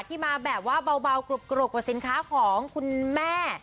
ที่มาแบบว่าเบากรกกว่าสินค้าของคุณแม่